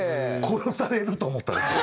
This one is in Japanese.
殺されると思ったらしい。